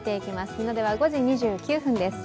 日の出は５時２９分です。